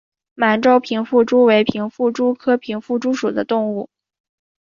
满洲平腹蛛为平腹蛛科平腹蛛属的动物。